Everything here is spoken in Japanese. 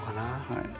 はい。